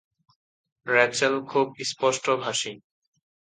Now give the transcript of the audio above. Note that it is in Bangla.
র্যাচেল খুব স্পষ্টভাষী।